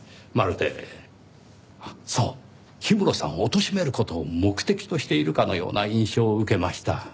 まるでそう氷室さんをおとしめる事を目的としているかのような印象を受けました。